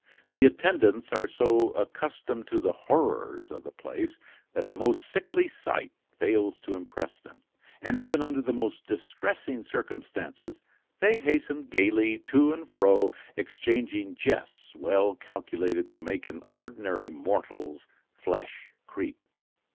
The attendants are so accustomed to the horrors of the place that the most sickly sight fails to impress them; and even under the most distressing circumstances, they hasten gaily to and fro, exchanging jests well calculated to make an ordinary mortal's flesh creep.